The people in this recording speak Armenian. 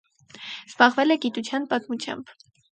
Զբաղվել է գիտության պատմությամբ։